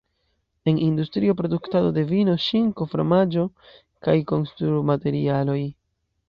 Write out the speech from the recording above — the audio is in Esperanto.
En industrio, produktado de vino, ŝinko, fromaĝo, kaj konstrumaterialoj.